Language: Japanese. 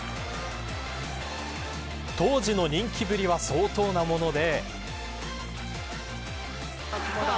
当時の人気ぶりは相当なもので。